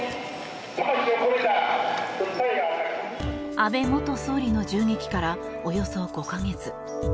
安倍元総理の銃撃からおよそ５か月。